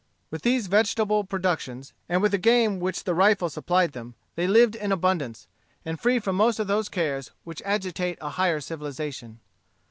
With these vegetable productions, and with the game which the rifle supplied them, they lived in abundance, and free from most of those cares which agitate a higher civilization.